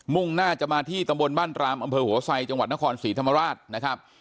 ่งหน้าจะมาที่ตำบลบ้านตรามอำเภอหัวไซจังหวัดนครศรีธรรมราชนะครับ